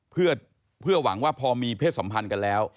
เพื่อหวังว่าพอมีเพศสัมพันธ์กันแล้ว